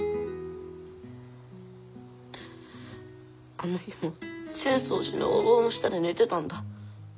あの日も浅草寺のお堂の下で寝てたんだ。